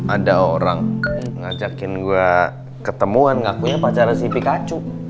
ada orang ngajakin gua ketemuan ngakunya pacarnya si pikachu